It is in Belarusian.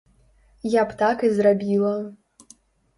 Я б так і зрабіла.